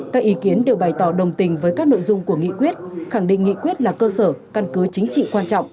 các ý kiến đều bày tỏ đồng tình với các nội dung của nghị quyết khẳng định nghị quyết là cơ sở căn cứ chính trị quan trọng